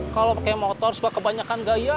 kalo pakai motor sebagian kebanyakan gak iya